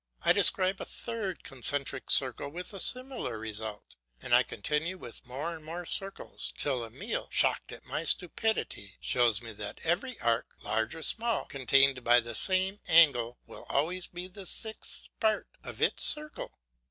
I describe a third concentric circle with a similar result, and I continue with more and more circles till Emile, shocked at my stupidity, shows me that every arc, large or small, contained by the same angle will always be the sixth part of its circle.